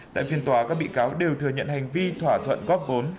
tại phiên tòa các bị cáo đều thừa nhận hành vi thỏa thuận góp vốn